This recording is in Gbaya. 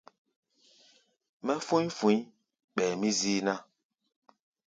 Mɛ́ fú̧í̧ fu̧í̧ ɓɛɛ mí zíí ná.